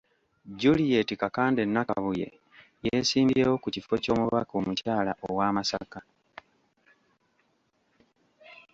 Juliet Kakande Nakabuye yeesimbyewo ku kifo ky'omubaka omukyala owa Masaka.